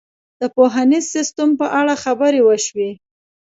د پوهنیز سیستم په اړه خبرې وشوې.